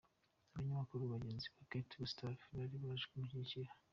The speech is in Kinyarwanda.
Abanyamakuru bagenzi ba Kate Gustave bari baje kumushyigikira.